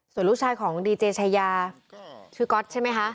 ส่วนลูกชายของดีเจชายาชื่อก๊อตใช่ไหมคะ